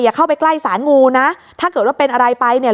เข้าไปใกล้สารงูนะถ้าเกิดว่าเป็นอะไรไปเนี่ย